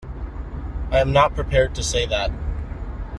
I am not prepared to say that.